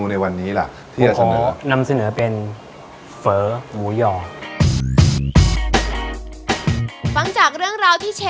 สามารถกับทีมงานรอรูดด้วยจากแบบนี้